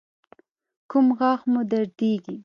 کوم غاښ مو دردیږي؟